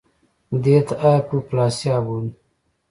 دې ته هایپوپلاسیا بولي